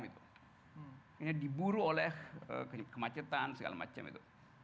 ini diburu oleh kemacetan segala macam itu